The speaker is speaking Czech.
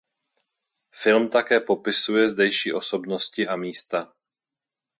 Film také popisuje zdejší osobnosti a místa.